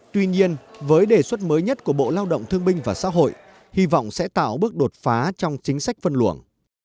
tuy nhiên với đề xuất mới nhất của bộ lao động thương binh và xã hội hy vọng sẽ tạo bước đột phá trong chính sách phân luận